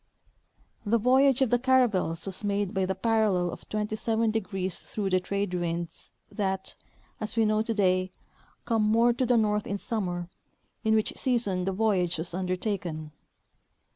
The voyage of the caravels was made by the parallel of 27° flirough the trade winds that, as we know today, come more to the north m summer, in which season the voyage was under taken.